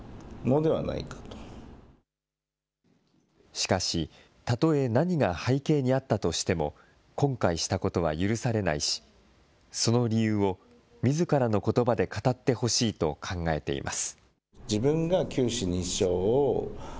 しかし、たとえ何が背景にあったとしても、今回したことは許されないし、その理由をみずからのことばで語ってほしいと考えています。